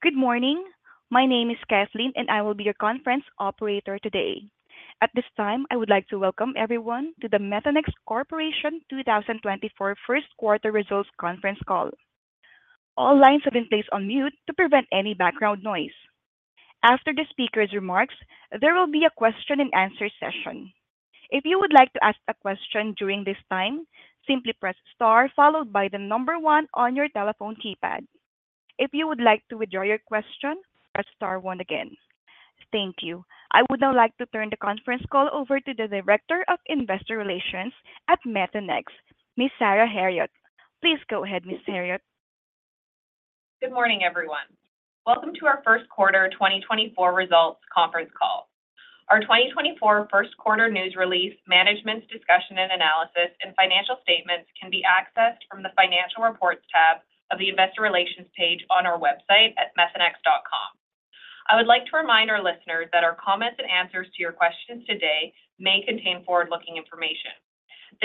Good morning. My name is Kathleen, and I will be your conference operator today. At this time, I would like to welcome everyone to the Methanex Corporation 2024 1Q results conference call. All lines have been placed on mute to prevent any background noise. After the speaker's remarks, there will be a question-and-answer session. If you would like to ask a question during this time, simply press * followed by the number 1 on your telephone keypad. If you would like to withdraw your question, press *1 again. Thank you. I would now like to turn the conference call over to the Director of Investor Relations at Methanex, Ms. Sarah Herriott. Please go ahead, Ms. Herriott. Good morning, everyone. Welcome to our 1Q 2024 Results Conference call. Our 2024 1Q News Release, management's discussion and analysis, and financial statements can be accessed from the Financial Reports tab of the Investor Relations page on our website at methanex.com. I would like to remind our listeners that our comments and answers to your questions today may contain forward-looking information.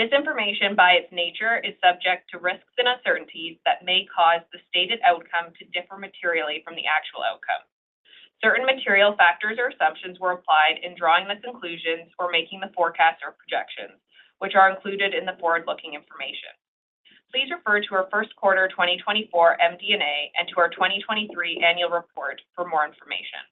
This information, by its nature, is subject to risks and uncertainties that may cause the stated outcome to differ materially from the actual outcome. Certain material factors or assumptions were applied in drawing the conclusions or making the forecasts or projections, which are included in the forward-looking information. Please refer to our 1Q 2024 MD&A and to our 2023 Annual Report for more information.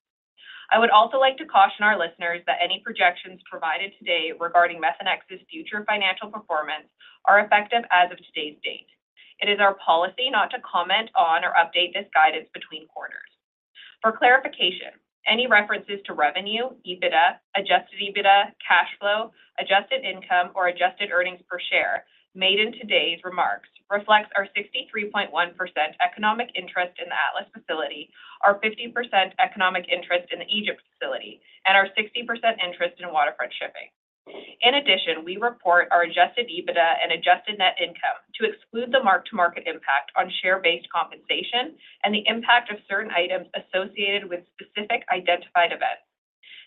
I would also like to caution our listeners that any projections provided today regarding Methanex's future financial performance are effective as of today's date. It is our policy not to comment on or update this guidance between quarters. For clarification, any references to revenue, EBITDA, Adjusted EBITDA, cash flow, adjusted income, or adjusted earnings per share made in today's remarks reflect our 63.1% economic interest in the Atlas facility, our 50% economic interest in the Egypt facility, and our 60% interest in Waterfront Shipping. In addition, we report our Adjusted EBITDA and Adjusted Net Income to exclude the mark-to-market impact on share-based compensation and the impact of certain items associated with specific identified events.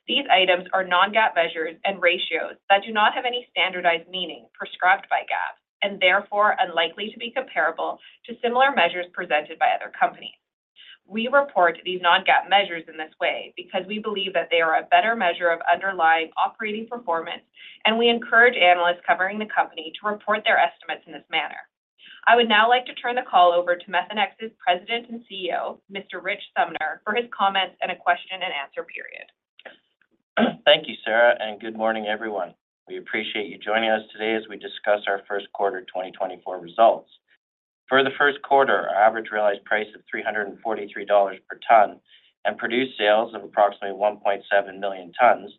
These items are non-GAAP measures and ratios that do not have any standardized meaning prescribed by GAAP and therefore unlikely to be comparable to similar measures presented by other companies. We report these non-GAAP measures in this way because we believe that they are a better measure of underlying operating performance, and we encourage analysts covering the company to report their estimates in this manner. I would now like to turn the call over to Methanex's President and CEO, Mr. Rich Sumner, for his comments and a question-and-answer period. Thank you, Sarah, and good morning, everyone. We appreciate you joining us today as we discuss our 1Q 2024 results. For the 1Q, our average realized price of $343 per ton and produced sales of approximately 1.7 million tons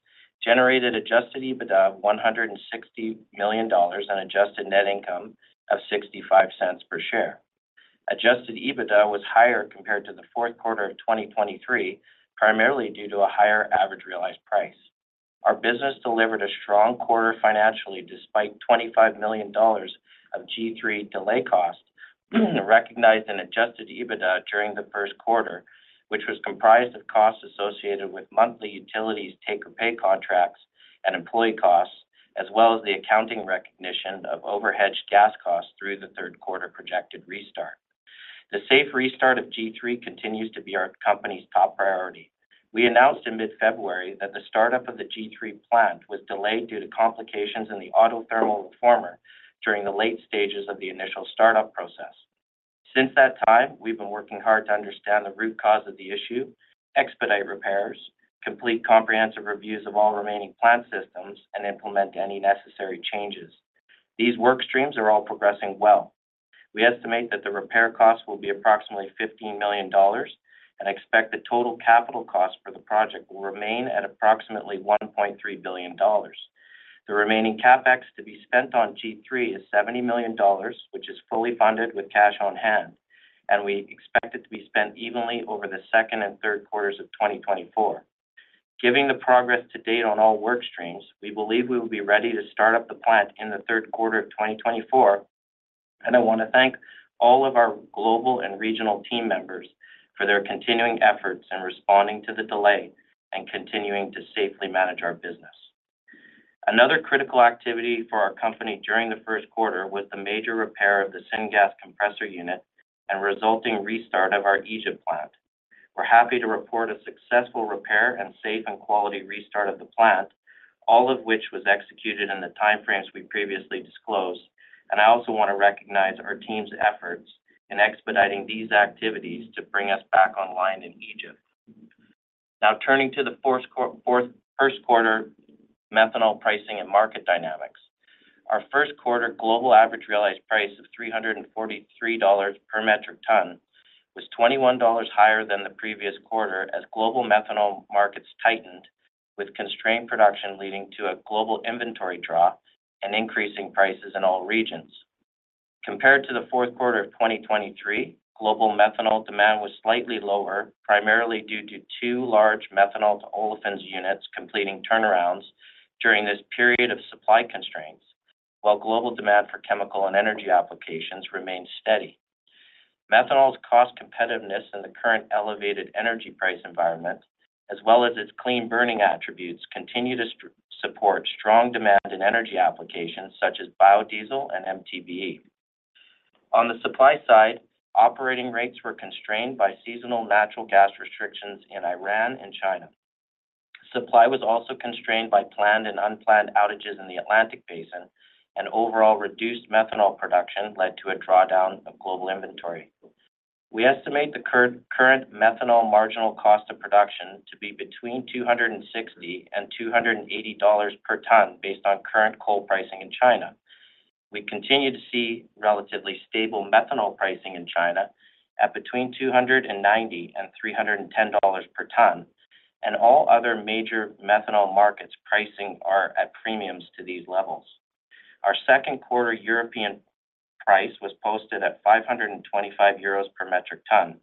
generated adjusted EBITDA of $160 million and adjusted net income of $0.65 per share. Adjusted EBITDA was higher compared to the 4Q of 2023, primarily due to a higher average realized price. Our business delivered a strong quarter financially despite $25 million of G3 delay cost recognized in adjusted EBITDA during the 1Q, which was comprised of costs associated with monthly utilities take-or-pay contracts and employee costs, as well as the accounting recognition of overhedged gas costs through the 3Q projected restart. The safe restart of G3 continues to be our company's top priority. We announced in mid-February that the startup of the G3 plant was delayed due to complications in the Autothermal Reformer during the late stages of the initial startup process. Since that time, we've been working hard to understand the root cause of the issue, expedite repairs, complete comprehensive reviews of all remaining plant systems, and implement any necessary changes. These workstreams are all progressing well. We estimate that the repair costs will be approximately $15 million and expect the total capital costs for the project will remain at approximately $1.3 billion. The remaining CapEx to be spent on G3 is $70 million, which is fully funded with cash on hand, and we expect it to be spent evenly over the second and 3Qs of 2024. Given the progress to date on all workstreams, we believe we will be ready to start up the plant in the 3Q of 2024. I want to thank all of our global and regional team members for their continuing efforts in responding to the delay and continuing to safely manage our business. Another critical activity for our company during the 1Q was the major repair of the syngas compressor unit and resulting restart of our Egypt plant. We're happy to report a successful repair and safe and quality restart of the plant, all of which was executed in the time frames we previously disclosed. I also want to recognize our team's efforts in expediting these activities to bring us back online in Egypt. Now, turning to the 1Q methanol pricing and market dynamics. Our 1Q global average realized price of $343 per metric ton was $21 higher than the previous quarter as global methanol markets tightened, with constrained production leading to a global inventory draw and increasing prices in all regions. Compared to the 4Q of 2023, global methanol demand was slightly lower, primarily due to two large Methanol-to-Olefins units completing turnarounds during this period of supply constraints, while global demand for chemical and energy applications remained steady. Methanol's cost competitiveness in the current elevated energy price environment, as well as its clean burning attributes, continue to support strong demand in energy applications such as biodiesel and MTBE. On the supply side, operating rates were constrained by seasonal natural gas restrictions in Iran and China. Supply was also constrained by planned and unplanned outages in the Atlantic Basin, and overall reduced methanol production led to a drawdown of global inventory. We estimate the current methanol marginal cost of production to be between $260-$280 per ton based on current coal pricing in China. We continue to see relatively stable methanol pricing in China at between $290-$310 per ton, and all other major methanol markets pricing are at premiums to these levels. Our 2Q European price was posted at €525 per metric ton.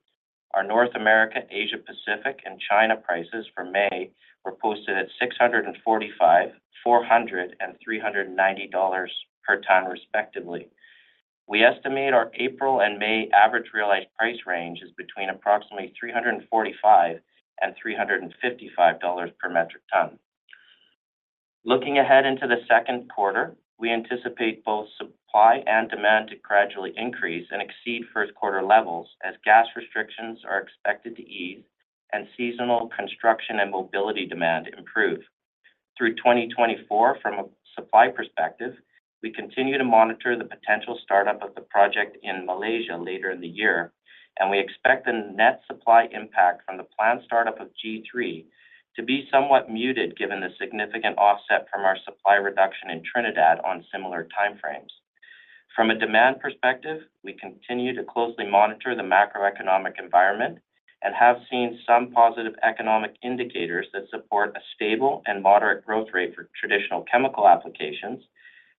Our North America, Asia-Pacific, and China prices for May were posted at $645, $400, and $390 per ton, respectively. We estimate our April and May average realized price range is between approximately $345-$355 per metric ton. Looking ahead into the 2Q, we anticipate both supply and demand to gradually increase and exceed 1Q levels as gas restrictions are expected to ease and seasonal construction and mobility demand improve. Through 2024, from a supply perspective, we continue to monitor the potential startup of the project in Malaysia later in the year, and we expect the net supply impact from the plant startup of G3 to be somewhat muted given the significant offset from our supply reduction in Trinidad on similar time frames. From a demand perspective, we continue to closely monitor the macroeconomic environment and have seen some positive economic indicators that support a stable and moderate growth rate for traditional chemical applications,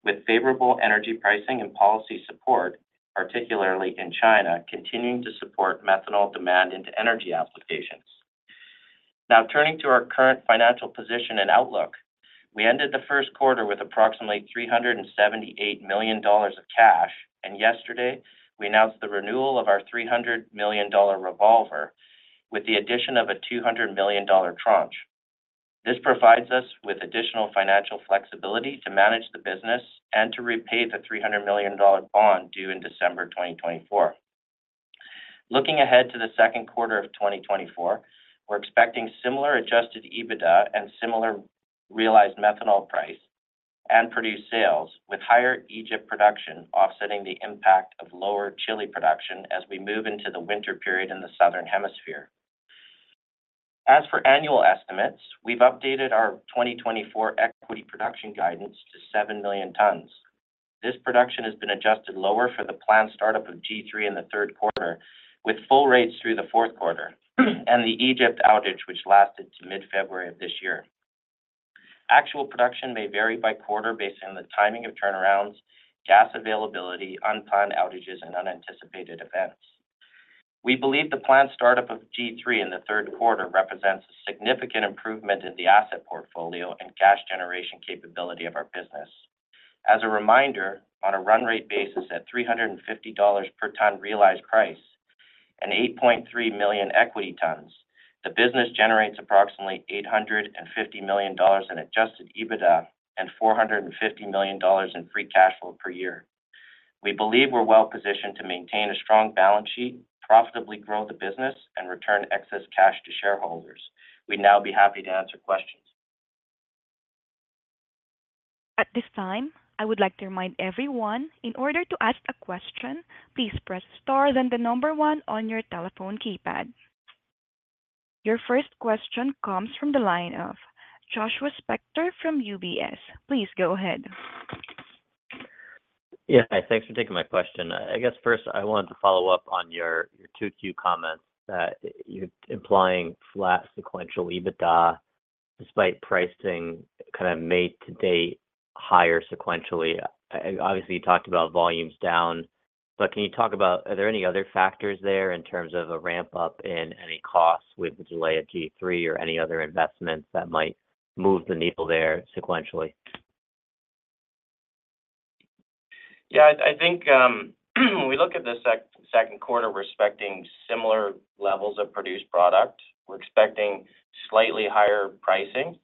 with favorable energy pricing and policy support, particularly in China, continuing to support methanol demand into energy applications. Now, turning to our current financial position and outlook, we ended the 1Q with approximately $378 million of cash, and yesterday we announced the renewal of our $300 million revolver with the addition of a $200 million tranche. This provides us with additional financial flexibility to manage the business and to repay the $300 million bond due in December 2024. Looking ahead to the 2Q of 2024, we're expecting similar adjusted EBITDA and similar realized methanol price and produced sales, with higher Egypt production offsetting the impact of lower Chile production as we move into the winter period in the southern hemisphere. As for annual estimates, we've updated our 2024 equity production guidance to 7 million tons. This production has been adjusted lower for the plant startup of G3 in the 3Q, with full rates through the 4Q and the Egypt outage which lasted to mid-February of this year. Actual production may vary by quarter based on the timing of turnarounds, gas availability, unplanned outages, and unanticipated events. We believe the plant startup of G3 in the 3Q represents a significant improvement in the asset portfolio and cash generation capability of our business. As a reminder, on a run-rate basis at $350 per ton realized price and 8.3 million equity tons, the business generates approximately $850 million in Adjusted EBITDA and $450 million in free cash flow per year. We believe we're well positioned to maintain a strong balance sheet, profitably grow the business, and return excess cash to shareholders. We'd now be happy to answer questions. At this time, I would like to remind everyone, in order to ask a question, please press * then 1 on your telephone keypad. Your first question comes from the line of Joshua Spector from UBS. Please go ahead. Yeah, thanks for taking my question. I guess first, I wanted to follow up on your Q2 comments that you're implying flat sequential EBITDA despite pricing kind of mid-May to date higher sequentially. Obviously, you talked about volumes down, but can you talk about are there any other factors there in terms of a ramp-up in any costs with the delay of G3 or any other investments that might move the needle there sequentially? Yeah, I think when we look at the 2Q versus similar levels of produced product, we're expecting slightly higher pricing,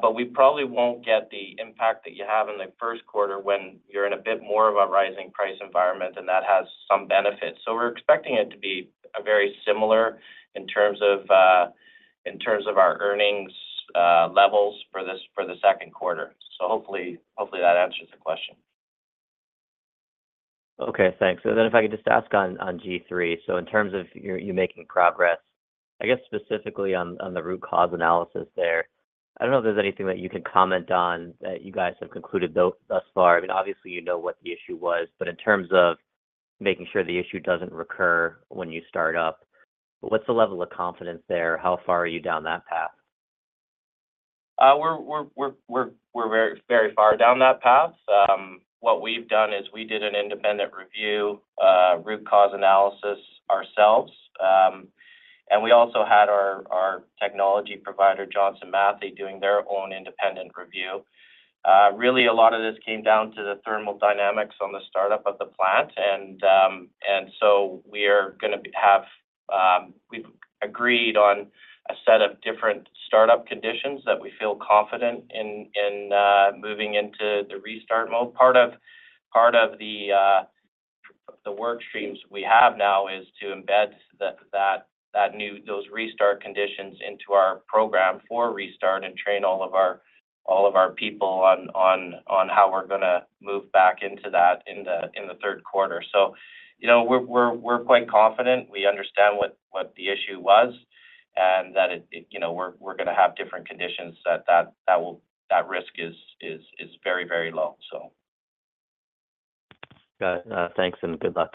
but we probably won't get the impact that you have in the 1Q when you're in a bit more of a rising price environment, and that has some benefits. So we're expecting it to be very similar in terms of our earnings levels for the 2Q. So hopefully, that answers the question. Okay, thanks. And then if I could just ask on G3, so in terms of you making progress, I guess specifically on the root cause analysis there, I don't know if there's anything that you could comment on that you guys have concluded thus far. I mean, obviously, you know what the issue was, but in terms of making sure the issue doesn't recur when you start up, what's the level of confidence there? How far are you down that path? We're very far down that path. What we've done is we did an independent review, root cause analysis ourselves, and we also had our technology provider, Johnson Matthey, doing their own independent review. Really, a lot of this came down to the thermodynamics on the startup of the plant, and so we've agreed on a set of different startup conditions that we feel confident in moving into the restart mode. Part of the workstreams we have now is to embed those restart conditions into our program for restart and train all of our people on how we're going to move back into that in the 3Q. So we're quite confident. We understand what the issue was and that we're going to have different conditions, that risk is very, very low, so. Got it. Thanks and good luck.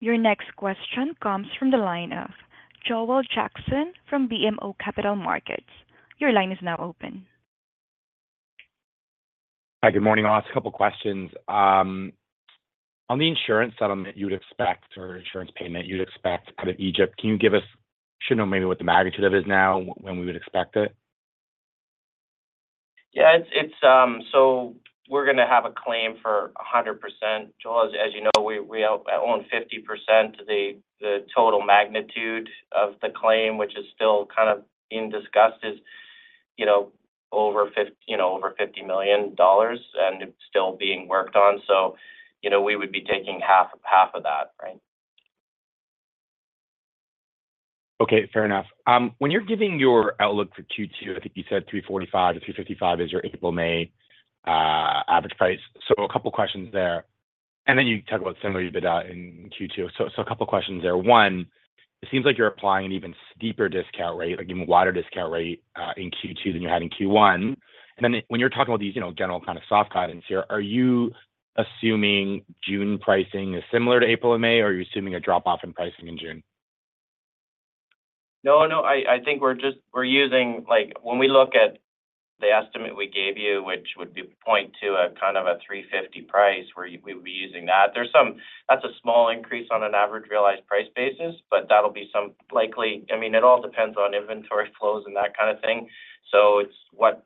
Your next question comes from the line of Joel Jackson from BMO Capital Markets. Your line is now open. Hi, good morning, all. A couple of questions. On the insurance settlement you would expect or insurance payment you'd expect out of Egypt, can you give us should know maybe what the magnitude of it is now when we would expect it? Yeah, so we're going to have a claim for 100%. Joel, as you know, I own 50% of the total magnitude of the claim, which is still kind of being discussed, is over $50 million and still being worked on. So we would be taking half of that, right? Okay, fair enough. When you're giving your outlook for Q2, I think you said $345-$355 is your April/May average price. So a couple of questions there. And then you talk about similar EBITDA in Q2. So a couple of questions there. One, it seems like you're applying an even steeper discount rate, even wider discount rate in Q2 than you had in Q1. And then when you're talking about these general kind of soft guidance here, are you assuming June pricing is similar to April and May, or are you assuming a drop-off in pricing in June? No, no. I think we're using, when we look at the estimate we gave you, which would point to kind of a $350 price, we would be using that. That's a small increase on an average realized price basis, but that'll be some likely. I mean, it all depends on inventory flows and that kind of thing. So it's what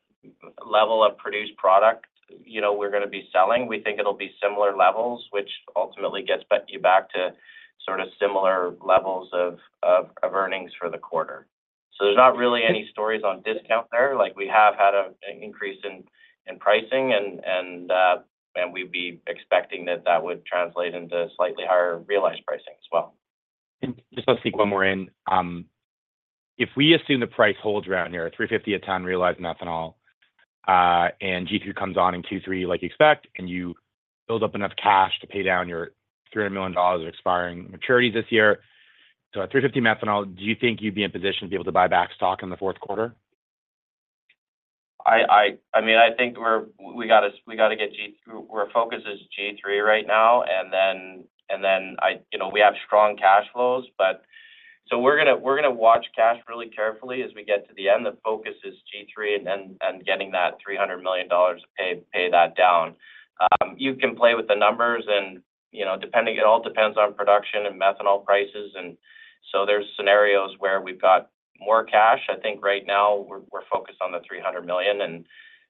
level of produced product we're going to be selling. We think it'll be similar levels, which ultimately gets you back to sort of similar levels of earnings for the quarter. So there's not really any stories on discount there. We have had an increase in pricing, and we'd be expecting that that would translate into slightly higher realized pricing as well. Just let's dig one more in. If we assume the price holds around here, $350 a ton realized methanol, and G3 comes on in Q3 like you expect, and you build up enough cash to pay down your $300 million of expiring maturities this year, so at $350 methanol, do you think you'd be in position to be able to buy back stock in the 4Q? I mean, I think we got to get G3. Our focus is G3 right now, and then we have strong cash flows. So we're going to watch cash really carefully as we get to the end. The focus is G3 and getting that $300 million to pay that down. You can play with the numbers, and it all depends on production and methanol prices. And so there's scenarios where we've got more cash. I think right now we're focused on the $300 million.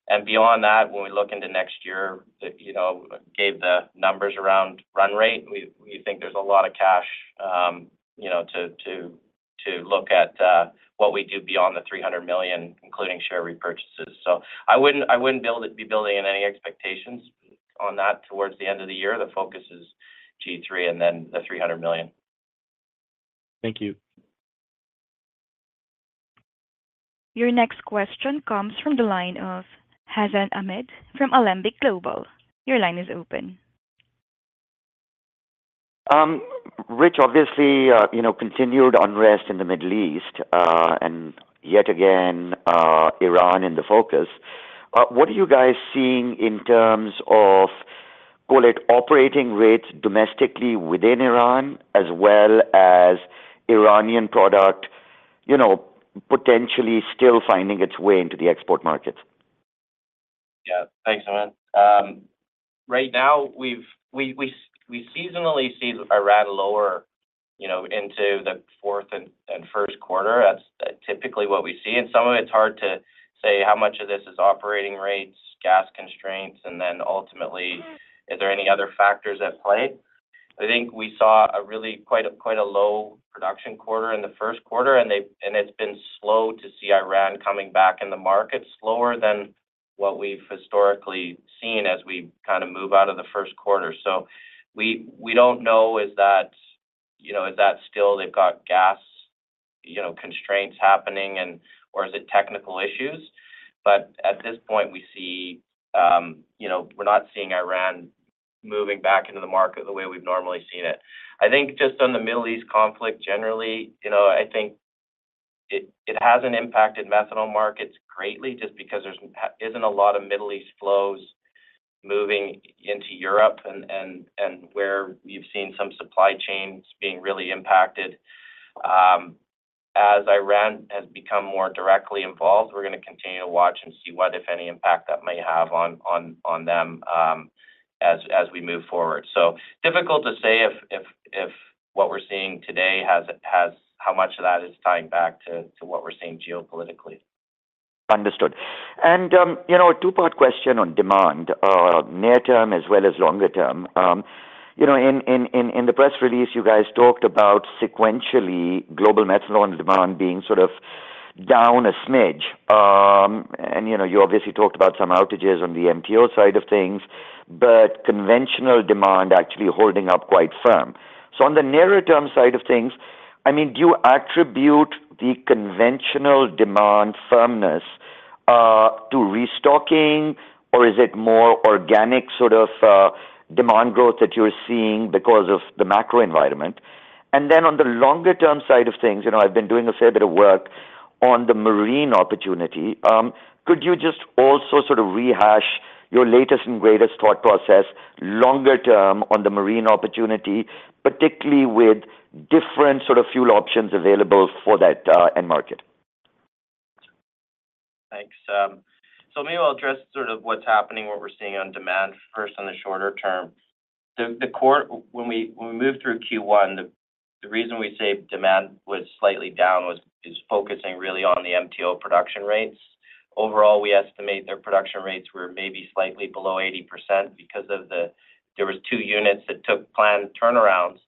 And beyond that, when we look into next year, given the numbers around run rate, we think there's a lot of cash to look at what we do beyond the $300 million, including share repurchases. So I wouldn't be building any expectations on that towards the end of the year. The focus is G3 and then the $300 million. Thank you. Your next question comes from the line of Hassan Ahmed from Alembic Global. Your line is open. Rich, obviously, continued unrest in the Middle East, and yet again, Iran in the focus. What are you guys seeing in terms of, call it, operating rates domestically within Iran as well as Iranian product potentially still finding its way into the export markets? Yeah, thanks, Ahmed. Right now, we seasonally see a ratchet lower into the fourth and 1Q. That's typically what we see. And some of it's hard to say how much of this is operating rates, gas constraints, and then ultimately, is there any other factors at play? I think we saw a really quite low production quarter in the 1Q, and it's been slow to see Iran coming back in the market slower than what we've historically seen as we kind of move out of the 1Q. So we don't know, is that still they've got gas constraints happening, or is it technical issues? But at this point, we see we're not seeing Iran moving back into the market the way we've normally seen it. I think just on the Middle East conflict generally, I think it hasn't impacted methanol markets greatly just because there isn't a lot of Middle East flows moving into Europe and where you've seen some supply chains being really impacted. As Iran has become more directly involved, we're going to continue to watch and see what, if any, impact that may have on them as we move forward. So difficult to say if what we're seeing today has how much of that is tying back to what we're seeing geopolitically. Understood. A two-part question on demand, near-term as well as longer-term. In the press release, you guys talked about sequentially global methanol demand being sort of down a smidge. You obviously talked about some outages on the MTO side of things, but conventional demand actually holding up quite firm. So on the near-term side of things, I mean, do you attribute the conventional demand firmness to restocking, or is it more organic sort of demand growth that you're seeing because of the macro environment? And then on the longer-term side of things, I've been doing a fair bit of work on the marine opportunity. Could you just also sort of rehash your latest and greatest thought process longer-term on the marine opportunity, particularly with different sort of fuel options available for that end market? Thanks. Maybe I'll address sort of what's happening, what we're seeing on demand first on the shorter term. When we moved through Q1, the reason we say demand was slightly down was focusing really on the MTO production rates. Overall, we estimate their production rates were maybe slightly below 80% because there were two units that took planned turnarounds.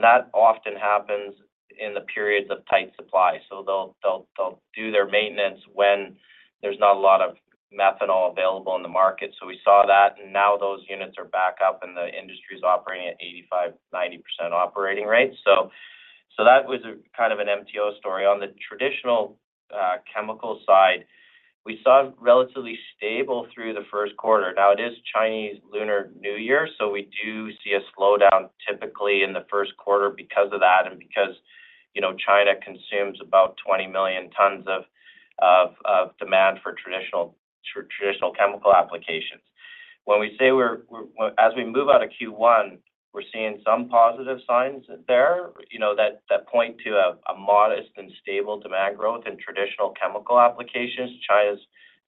That often happens in the periods of tight supply. They'll do their maintenance when there's not a lot of methanol available in the market. We saw that, and now those units are back up, and the industry is operating at 85%-90% operating rates. That was kind of an MTO story. On the traditional chemical side, we saw relatively stable through the 1Q. Now, it is Chinese Lunar New Year, so we do see a slowdown typically in the 1Q because of that and because China consumes about 20 million tons of demand for traditional chemical applications. When we say as we move out of Q1, we're seeing some positive signs there that point to a modest and stable demand growth in traditional chemical applications. China's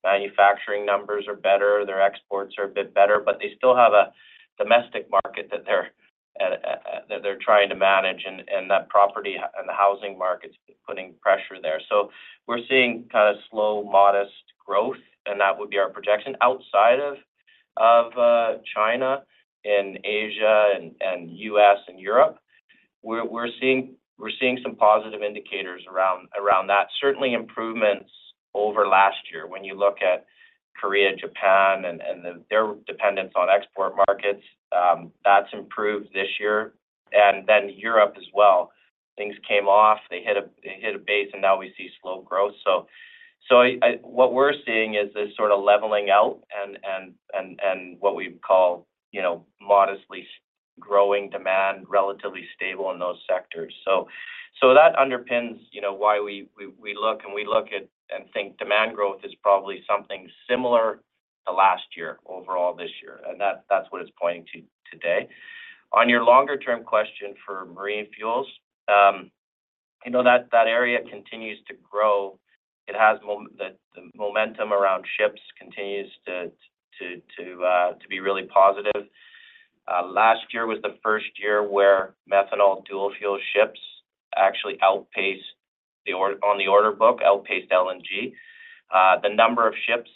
manufacturing numbers are better. Their exports are a bit better, but they still have a domestic market that they're trying to manage, and that property and the housing market's putting pressure there. So we're seeing kind of slow, modest growth, and that would be our projection outside of China and Asia and U.S. and Europe. We're seeing some positive indicators around that, certainly improvements over last year. When you look at Korea, Japan, and their dependence on export markets, that's improved this year. And then Europe as well. Things came off. They hit a base, and now we see slow growth. So what we're seeing is this sort of leveling out and what we call modestly growing demand, relatively stable in those sectors. So that underpins why we look, and we look at and think demand growth is probably something similar to last year overall this year. And that's what it's pointing to today. On your longer-term question for marine fuels, that area continues to grow. The momentum around ships continues to be really positive. Last year was the first year where methanol dual-fuel ships actually outpaced on the order book, outpaced LNG. The number of ships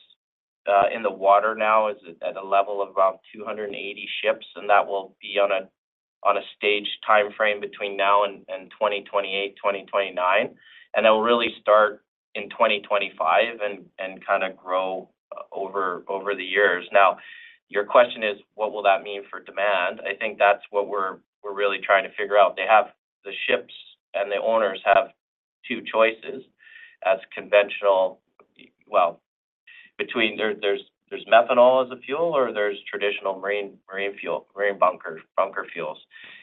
in the water now is at a level of about 280 ships, and that will be on a staged timeframe between now and 2028, 2029. That will really start in 2025 and kind of grow over the years. Now, your question is, what will that mean for demand? I think that's what we're really trying to figure out. The ships and the owners have two choices as conventional, well, between there's methanol as a fuel, or there's traditional marine bunker fuels.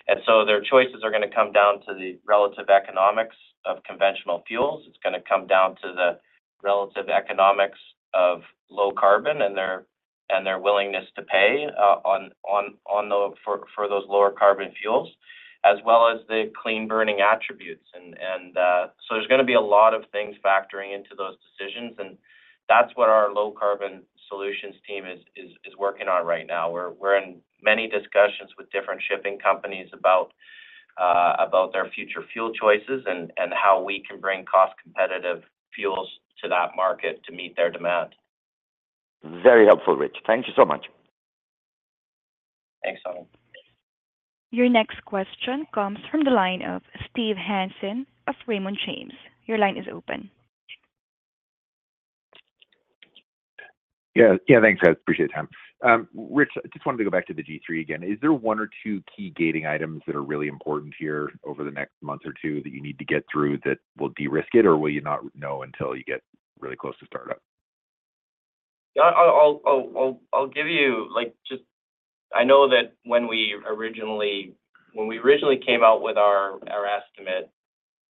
And so their choices are going to come down to the relative economics of conventional fuels. It's going to come down to the relative economics of low carbon and their willingness to pay for those lower carbon fuels as well as the clean burning attributes. And so there's going to be a lot of things factoring into those decisions. And that's what our Low Carbon Solutions team is working on right now. We're in many discussions with different shipping companies about their future fuel choices and how we can bring cost-competitive fuels to that market to meet their demand. Very helpful, Rich. Thank you so much. Thanks, Ahmed. Your next question comes from the line of Steve Hansen of Raymond James. Your line is open. Yeah, thanks, Rich. Appreciate it. Rich, I just wanted to go back to the G3 again. Is there one or two key gating items that are really important here over the next month or two that you need to get through that will de-risk it, or will you not know until you get really close to startup? Yeah, I'll give you just, I know that when we originally came out with our estimate,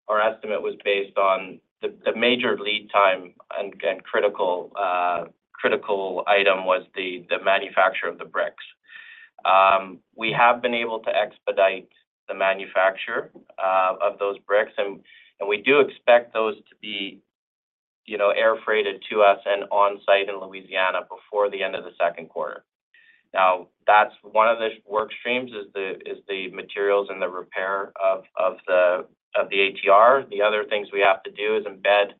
our estimate was based on the major lead time, and critical item was the manufacture of the bricks. We have been able to expedite the manufacture of those bricks, and we do expect those to be air freighted to us and on-site in Louisiana before the end of the 2Q. Now, one of the work streams is the materials and the repair of the ATR. The other things we have to do is embed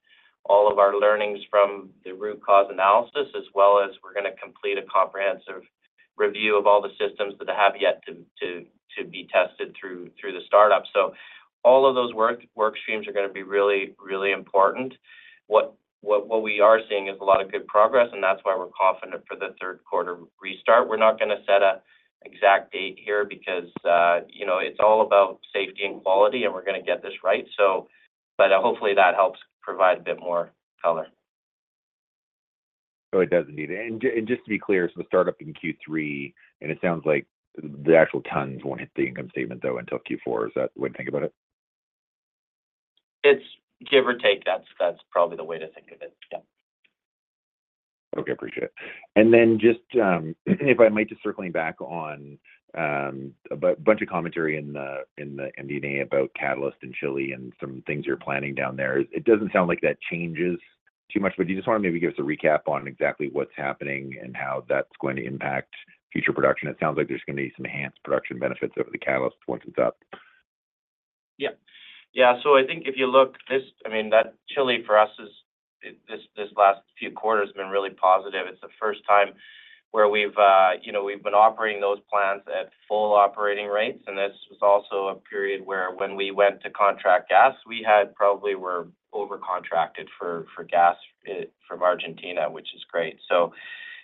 all of our learnings from the root cause analysis, as well as we're going to complete a comprehensive review of all the systems that have yet to be tested through the startup. So all of those work streams are going to be really, really important. What we are seeing is a lot of good progress, and that's why we're confident for the 3Q restart. We're not going to set an exact date here because it's all about safety and quality, and we're going to get this right. Hopefully, that helps provide a bit more color. Oh, it does indeed. And just to be clear, so the startup in Q3, and it sounds like the actual tons won't hit the income statement, though, until Q4. Is that the way to think about it? It's give or take. That's probably the way to think of it. Yeah. Okay. Appreciate it. Then just if I might just circling back on a bunch of commentary in the MD&A about catalyst and Chile and some things you're planning down there, it doesn't sound like that changes too much. Do you just want to maybe give us a recap on exactly what's happening and how that's going to impact future production? It sounds like there's going to be some enhanced production benefits over the catalyst once it's up. Yeah. Yeah. So I think if you look this I mean, that Chile for us, this last few quarters has been really positive. It's the first time where we've been operating those plants at full operating rates. And this was also a period where when we went to contract gas, we probably were overcontracted for gas from Argentina, which is great. So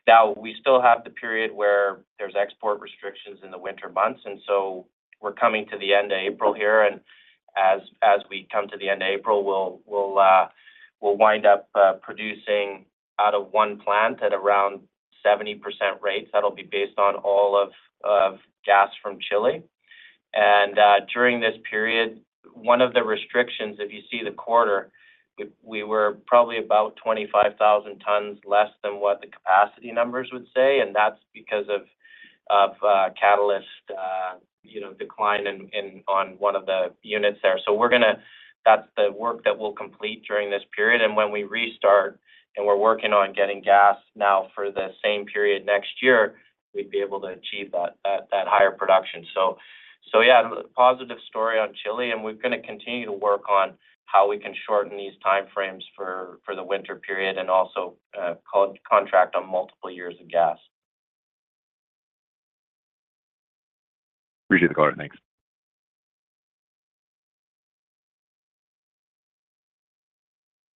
now we still have the period where there's export restrictions in the winter months. And so we're coming to the end of April here. And as we come to the end of April, we'll wind up producing out of one plant at around 70% rates. That'll be based on all of gas from Chile. And during this period, one of the restrictions, if you see the quarter, we were probably about 25,000 tons less than what the capacity numbers would say. And that's because of catalyst decline on one of the units there. So that's the work that we'll complete during this period. And when we restart and we're working on getting gas now for the same period next year, we'd be able to achieve that higher production. So yeah, positive story on Chile. And we're going to continue to work on how we can shorten these timeframes for the winter period and also contract on multiple years of gas. Appreciate the call. Thanks.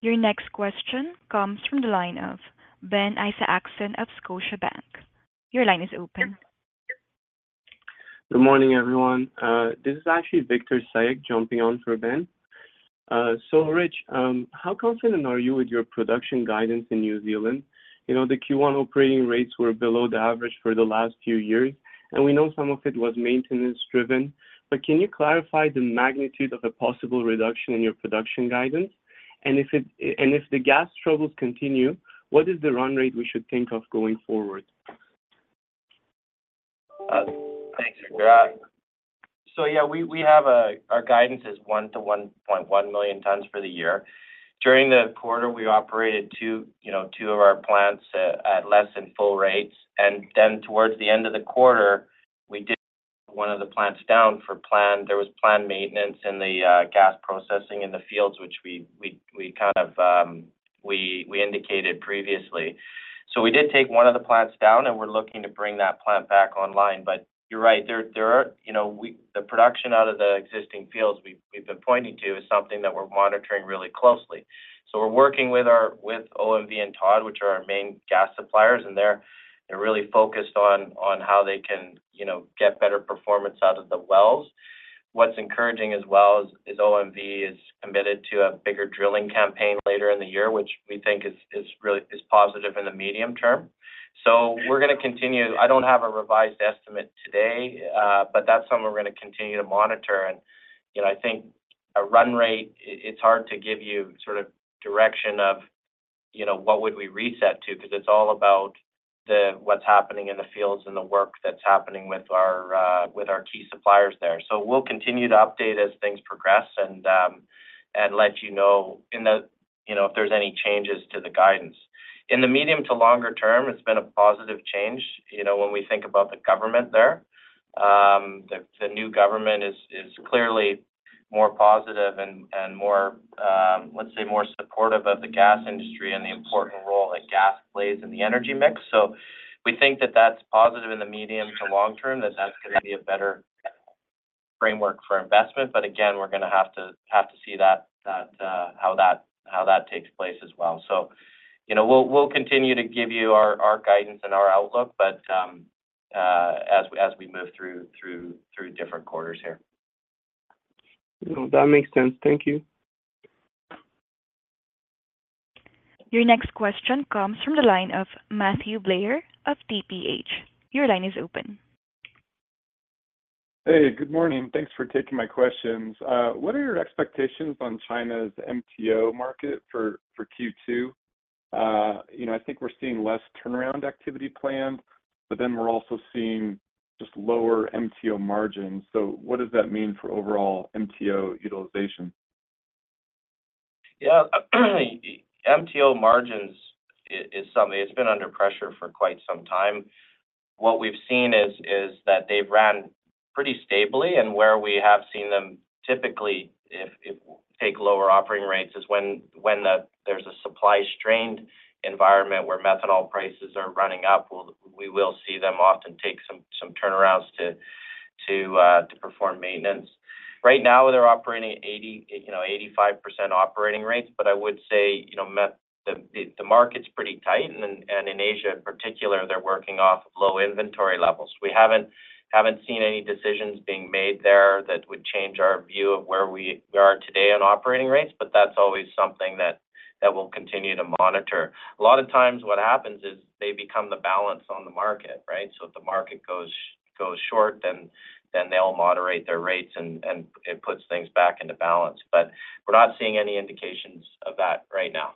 Your next question comes from the line of Ben Isaacson of Scotiabank. Your line is open. Good morning, everyone. This is actually Victor Sayegh jumping on for Ben. So Rich, how confident are you with your production guidance in New Zealand? The Q1 operating rates were below the average for the last few years, and we know some of it was maintenance-driven. But can you clarify the magnitude of a possible reduction in your production guidance? And if the gas troubles continue, what is the run rate we should think of going forward? Thanks, Victor. So yeah, our guidance is 1-1.1 million tons for the year. During the quarter, we operated two of our plants at less than full rates. Then towards the end of the quarter, we did one of the plants down for planned there was planned maintenance in the gas processing in the fields, which we kind of indicated previously. So we did take one of the plants down, and we're looking to bring that plant back online. But you're right. The production out of the existing fields we've been pointing to is something that we're monitoring really closely. So we're working with OMV and Todd, which are our main gas suppliers, and they're really focused on how they can get better performance out of the wells. What's encouraging as well is OMV is committed to a bigger drilling campaign later in the year, which we think is positive in the medium term. So we're going to continue. I don't have a revised estimate today, but that's something we're going to continue to monitor. And I think a run rate, it's hard to give you sort of direction of what would we reset to because it's all about what's happening in the fields and the work that's happening with our key suppliers there. So we'll continue to update as things progress and let you know if there's any changes to the guidance. In the medium to longer term, it's been a positive change when we think about the government there. The new government is clearly more positive and, let's say, more supportive of the gas industry and the important role that gas plays in the energy mix. So we think that that's positive in the medium to long term, that that's going to be a better framework for investment. But again, we're going to have to see how that takes place as well. So we'll continue to give you our guidance and our outlook, but as we move through different quarters here. That makes sense. Thank you. Your next question comes from the line of Matthew Blair of TPH. Your line is open. Hey, good morning. Thanks for taking my questions. What are your expectations on China's MTO market for Q2? I think we're seeing less turnaround activity planned, but then we're also seeing just lower MTO margins. So what does that mean for overall MTO utilization? Yeah, MTO margins is something it's been under pressure for quite some time. What we've seen is that they've run pretty stably, and where we have seen them typically take lower operating rates is when there's a supply-strained environment where methanol prices are running up. We will see them often take some turnarounds to perform maintenance. Right now, they're operating at 85% operating rates, but I would say the market's pretty tight. And in Asia in particular, they're working off of low inventory levels. We haven't seen any decisions being made there that would change our view of where we are today on operating rates, but that's always something that we'll continue to monitor. A lot of times, what happens is they become the balance on the market, right? So if the market goes short, then they'll moderate their rates, and it puts things back into balance. But we're not seeing any indications of that right now.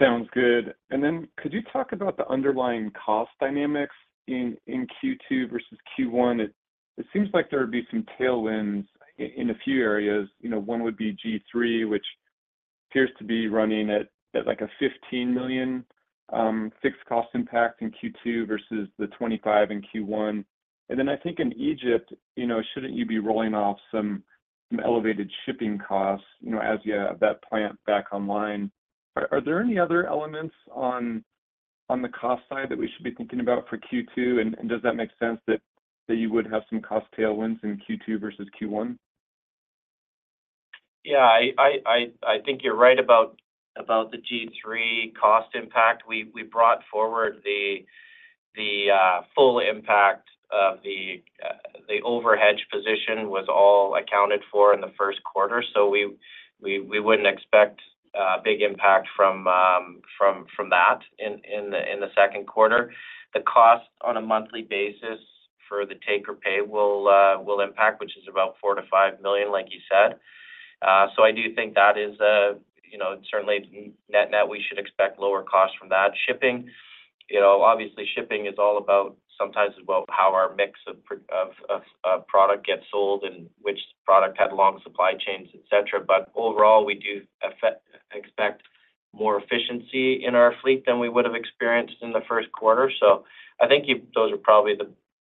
Sounds good. And then could you talk about the underlying cost dynamics in Q2 versus Q1? It seems like there would be some tailwinds in a few areas. One would be G3, which appears to be running at a $15 million fixed cost impact in Q2 versus the $25 million in Q1. And then I think in Egypt, shouldn't you be rolling off some elevated shipping costs as you have that plant back online? Are there any other elements on the cost side that we should be thinking about for Q2? And does that make sense that you would have some cost tailwinds in Q2 versus Q1? Yeah, I think you're right about the G3 cost impact. We brought forward the full impact of the overhedge position was all accounted for in the 1Q. So we wouldn't expect a big impact from that in the 2Q. The cost on a monthly basis for the take-or-pay will impact, which is about $4 million-$5 million, like you said. So I do think that is certainly net-net, we should expect lower costs from that. Obviously, shipping is all about sometimes about how our mix of product gets sold and which product had long supply chains, etc. But overall, we do expect more efficiency in our fleet than we would have experienced in the 1Q. So I think those are probably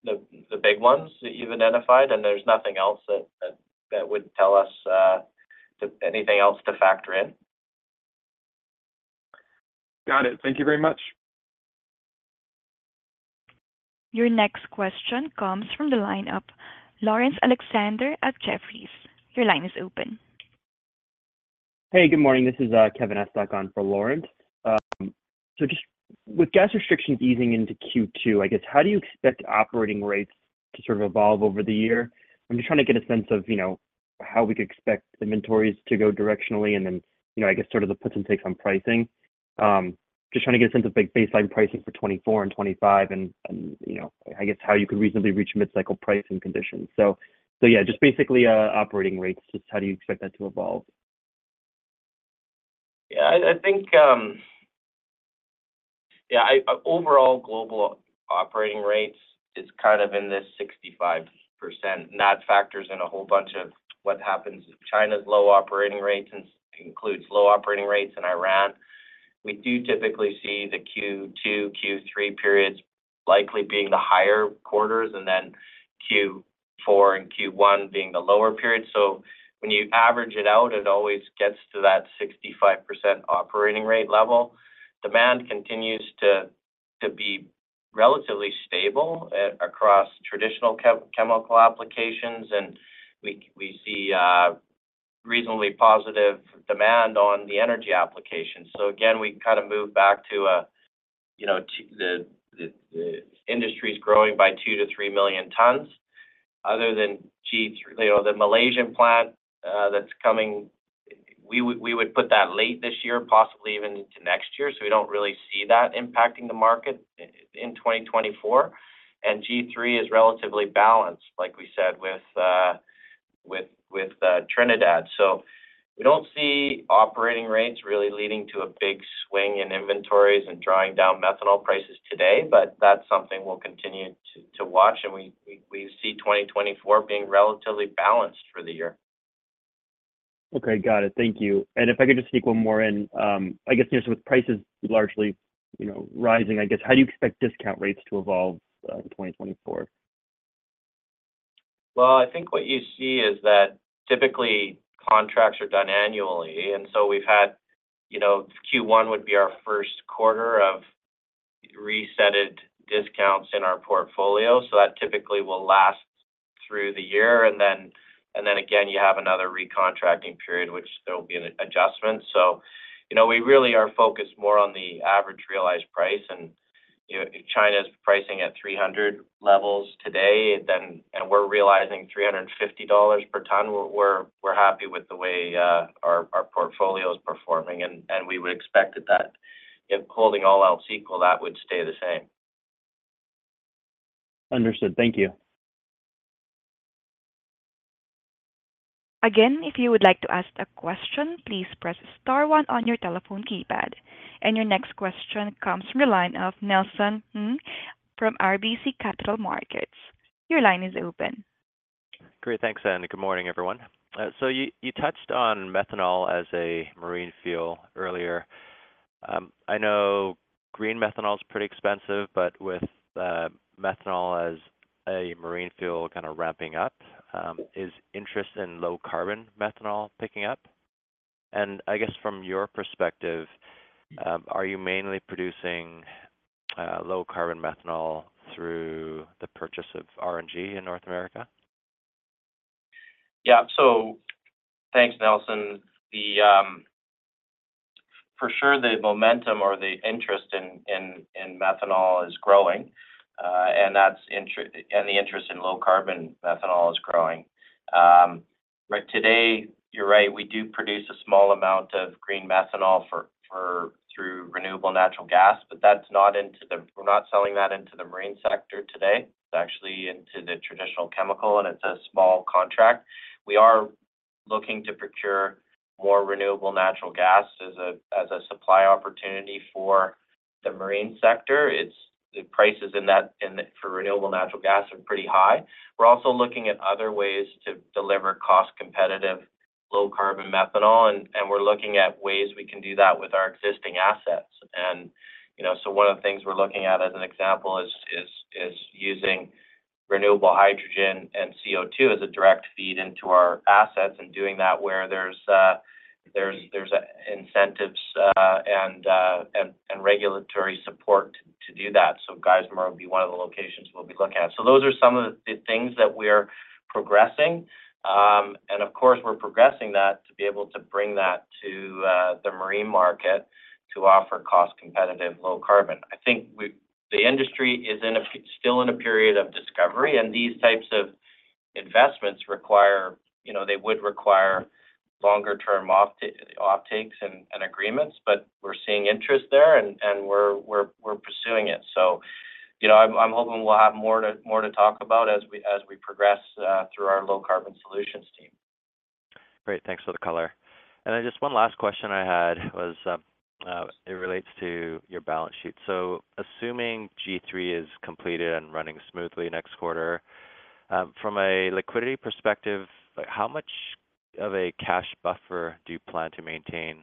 the big ones that you've identified, and there's nothing else that would tell us anything else to factor in. Got it. Thank you very much. Your next question comes from the line of Laurence Alexander of Jefferies. Your line is open. Hey, good morning. This is Kevin Estok for Laurence. So just with gas restrictions easing into Q2, I guess, how do you expect operating rates to sort of evolve over the year? I'm just trying to get a sense of how we could expect inventories to go directionally and then, I guess, sort of the puts and takes on pricing. Just trying to get a sense of baseline pricing for 2024 and 2025 and, I guess, how you could reasonably reach mid-cycle pricing conditions. So yeah, just basically operating rates, just how do you expect that to evolve? Yeah, I think yeah, overall global operating rates is kind of in this 65%. That factors in a whole bunch of what happens. China's low operating rates includes low operating rates in Iran. We do typically see the Q2, Q3 periods likely being the higher quarters and then Q4 and Q1 being the lower periods. So when you average it out, it always gets to that 65% operating rate level. Demand continues to be relatively stable across traditional chemical applications, and we see reasonably positive demand on the energy applications. So again, we kind of move back to the industry's growing by 2-3 million tons. Other than the Malaysian plant that's coming, we would put that late this year, possibly even into next year. So we don't really see that impacting the market in 2024. And G3 is relatively balanced, like we said, with Trinidad. We don't see operating rates really leading to a big swing in inventories and drawing down methanol prices today, but that's something we'll continue to watch. We see 2024 being relatively balanced for the year. Okay. Got it. Thank you. And if I could just take one more in, I guess, so with prices largely rising, I guess, how do you expect discount rates to evolve in 2024? Well, I think what you see is that typically, contracts are done annually. And so we've had Q1 would be our 1Q of resetted discounts in our portfolio. So that typically will last through the year. And then again, you have another recontracting period, which there will be an adjustment. So we really are focused more on the average realized price. And if China's pricing at 300 levels today, and we're realizing $350 per ton, we're happy with the way our portfolio is performing. And we would expect that if holding all else equal, that would stay the same. Understood. Thank you. Again, if you would like to ask a question, please press star one on your telephone keypad. And your next question comes from the line of Nelson from RBC Capital Markets. Your line is open. Great. Thanks, Andy. Good morning, everyone. So you touched on methanol as a marine fuel earlier. I know green methanol is pretty expensive, but with methanol as a marine fuel kind of ramping up, is interest in low-carbon methanol picking up? And I guess from your perspective, are you mainly producing low-carbon methanol through the purchase of RNG in North America? Yeah. So thanks, Nelson. For sure, the momentum or the interest in methanol is growing, and the interest in low-carbon methanol is growing. Today, you're right. We do produce a small amount of green methanol through renewable natural gas, but we're not selling that into the marine sector today. It's actually into the traditional chemical, and it's a small contract. We are looking to procure more renewable natural gas as a supply opportunity for the marine sector. The prices for renewable natural gas are pretty high. We're also looking at other ways to deliver cost-competitive low-carbon methanol, and we're looking at ways we can do that with our existing assets. And so one of the things we're looking at as an example is using renewable hydrogen and CO2 as a direct feed into our assets and doing that where there's incentives and regulatory support to do that. So Geismar would be one of the locations we'll be looking at. So those are some of the things that we're progressing. And of course, we're progressing that to be able to bring that to the marine market to offer cost-competitive low-carbon. I think the industry is still in a period of discovery, and these types of investments require longer-term offtakes and agreements, but we're seeing interest there, and we're pursuing it. So I'm hoping we'll have more to talk about as we progress through our low-carbon solutions team. Great. Thanks for the color. And then just one last question I had was it relates to your balance sheet. So assuming G3 is completed and running smoothly next quarter, from a liquidity perspective, how much of a cash buffer do you plan to maintain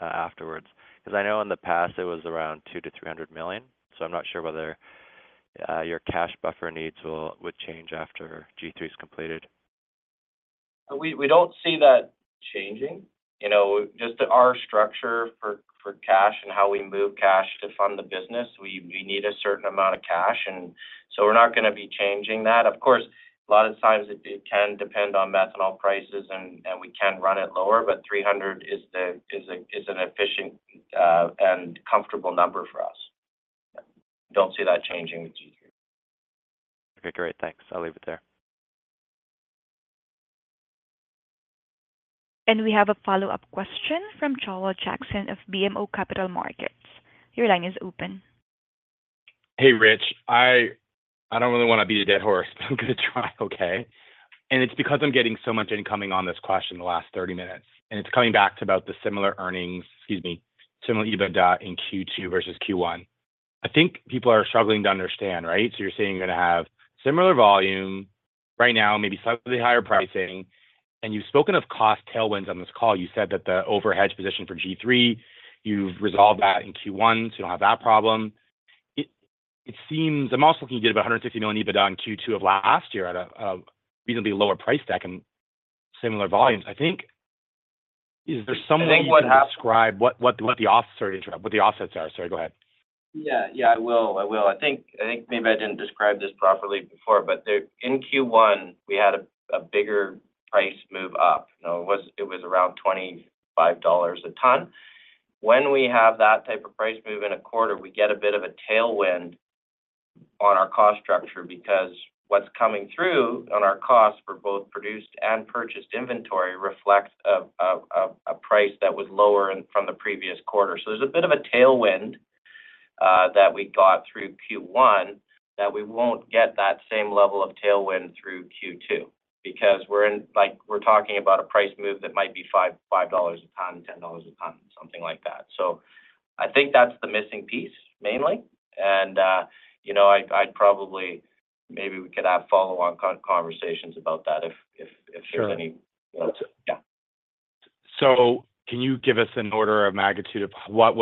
afterwards? Because I know in the past, it was around $200 million-$300 million. So I'm not sure whether your cash buffer needs would change after G3 is completed. We don't see that changing. Just our structure for cash and how we move cash to fund the business, we need a certain amount of cash. And so we're not going to be changing that. Of course, a lot of times, it can depend on methanol prices, and we can run it lower, but $300 is an efficient and comfortable number for us. I don't see that changing with G3. Okay. Great. Thanks. I'll leave it there. We have a follow-up question from Joel Jackson of BMO Capital Markets. Your line is open. Hey, Rich. I don't really want to be the dead horse, but I'm going to try, okay? It's because I'm getting so much incoming on this question the last 30 minutes. And it's coming back to about the similar earnings excuse me, similar EBITDA in Q2 versus Q1. I think people are struggling to understand, right? So you're saying you're going to have similar volume right now, maybe slightly higher pricing. And you've spoken of cost tailwinds on this call. You said that the overhedge position for G3, you've resolved that in Q1, so you don't have that problem. I'm also looking to get about $160 million EBITDA in Q2 of last year at a reasonably lower price deck and similar volumes. Is there some way you can describe what the offsets are? Sorry, go ahead. Yeah. Yeah, I will. I will. I think maybe I didn't describe this properly before, but in Q1, we had a bigger price move up. It was around $25 a ton. When we have that type of price move in a quarter, we get a bit of a tailwind on our cost structure because what's coming through on our costs for both produced and purchased inventory reflects a price that was lower from the previous quarter. So there's a bit of a tailwind that we got through Q1 that we won't get that same level of tailwind through Q2 because we're talking about a price move that might be $5 a ton and $10 a ton and something like that. So I think that's the missing piece, mainly. And I'd probably maybe we could have follow-on conversations about that if there's any yeah. So, can you give us an order of magnitude of what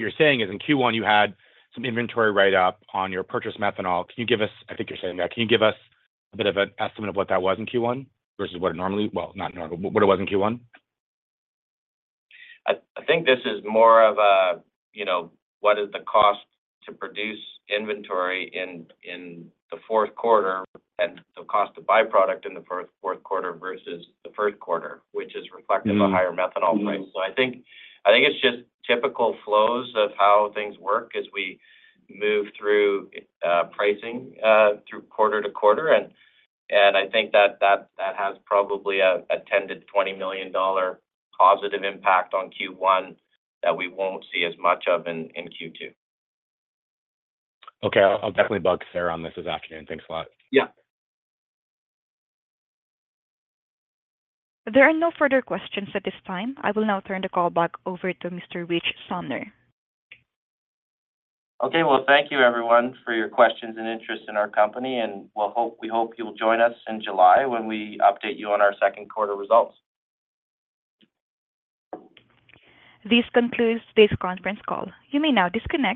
you're saying is in Q1, you had some inventory write-up on your purchased methanol. Can you give us a bit of an estimate of what that was in Q1 versus what it normally, well, not normally, what it was in Q1? I think this is more of a what is the cost to produce inventory in the 4Q and the cost to buy product in the 4Q versus the 1Q, which is reflective of a higher methanol price. So I think it's just typical flows of how things work as we move through pricing through quarter to quarter. And I think that has probably a $10-$20 million positive impact on Q1 that we won't see as much of in Q2. Okay. I'll definitely bug Sarah on this this afternoon. Thanks a lot. Yeah. There are no further questions at this time. I will now turn the call back over to Mr. Rich Sumner. Okay. Well, thank you, everyone, for your questions and interest in our company. We hope you'll join us in July when we update you on our 2Q results. This concludes today's conference call. You may now disconnect.